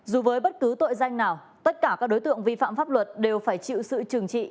dù với bất cứ tội danh nào tất cả các đối tượng vi phạm pháp luật đều phải chịu sự trừng trị